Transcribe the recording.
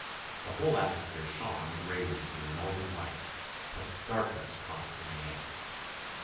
The whole atmosphere shone in the radiance of the northern lights, but darkness conquered in the end.